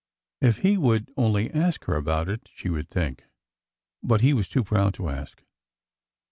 If he would only ask her about it ! she would think. But he was too proud to ask.